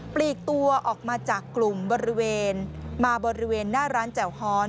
ลีกตัวออกมาจากกลุ่มบริเวณมาบริเวณหน้าร้านแจ่วฮอน